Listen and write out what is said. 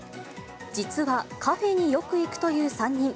実はカフェによく行くという３人。